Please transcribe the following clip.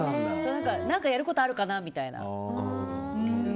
何かやることあるかなみたいな。